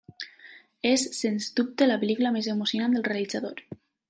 És sens dubte la pel·lícula més emocionant del realitzador.